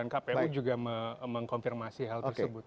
kpu juga mengkonfirmasi hal tersebut